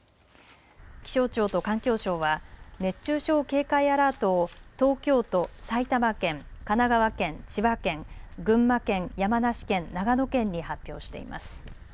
気象庁と環境省は熱中症警戒アラートを東京都、埼玉県、神奈川県、千葉県、群馬県、山梨県、長野県に発表しています。